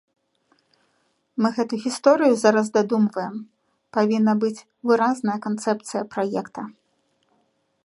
Мы гэтую гісторыю зараз дадумваем, павінна быць выразная канцэпцыя праекта.